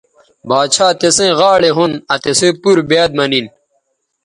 باڇھا تسئیں غاڑے ھون آ تِسئ پور بیاد مہ نن